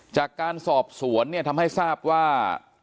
จากการสอบสวนเนี่ยทำให้ทราบว่า